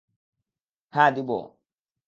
হ্যাঁ, দিবো।